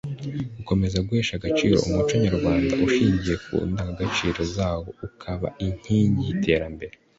gukomeza guhesha agaciro umuco nyarwanda ushingiye ku ndangagaciro zawo ukaba inkingi y'iterambere